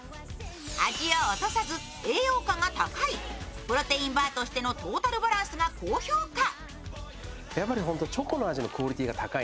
味を落とさず、栄養価が高い、プロテインバーとしてのトータルバランスが高評価。